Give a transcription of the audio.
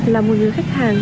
là một người khách hàng